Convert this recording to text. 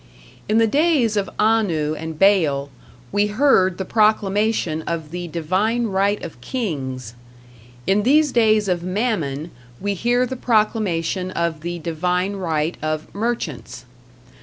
In the days of Anu and Baal we heard the proclamation of the divine right of Kings; in these days of Mammon we hear the proclamation of the divine right of Merchants.